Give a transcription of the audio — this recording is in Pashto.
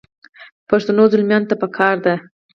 پښتنو زلمیانو ته پکار دي.